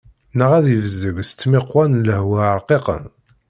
Neɣ ad yebzeg s tmiqwa n lehwa rqiqen.